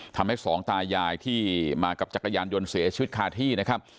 ทำให้สองตายายที่มากับจักรยานยนต์เสียชีวิตคาที่นะครับ